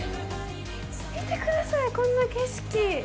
見てください、この景色！